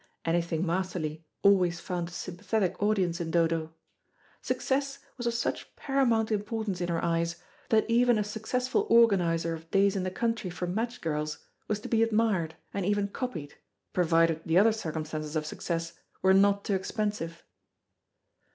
Anything masterly always found a sympathetic audience in Dodo. Success was of such paramount importance in her eyes, that even a successful organiser of days in the country for match girls was to be admired, and even copied, provided the other circumstances of success were not too expensive.